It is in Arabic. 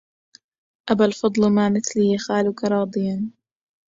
أبا الفضل ما مثلي يخالك راضيا